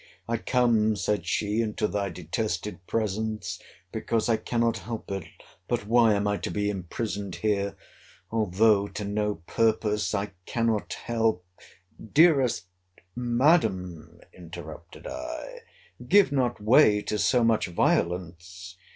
I come, said she, into thy detested presence, because I cannot help it. But why am I to be imprisoned here?—Although to no purpose, I cannot help—— Dearest Madam, interrupted I, give not way to so much violence.